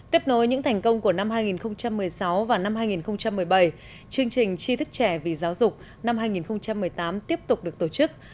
tiếp nối những thành công của năm hai nghìn một mươi sáu và năm hai nghìn một mươi bảy chương trình tri thức trẻ vì giáo dục năm hai nghìn một mươi tám tiếp tục được tổ chức